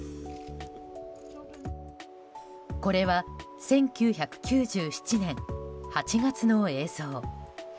これは１９９７年８月の映像。